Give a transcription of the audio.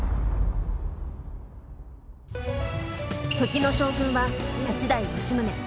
時の将軍は八代・吉宗。